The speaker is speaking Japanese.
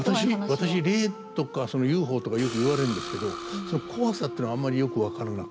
私霊とかＵＦＯとかよく言われるんですけどそのコワさっていうのあんまりよくわからなくて。